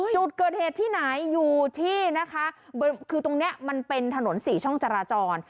จุดเกิดเหตุที่ไหนอยู่ที่นะคะคือตรงเนี้ยมันเป็นถนนสี่ช่องจราจร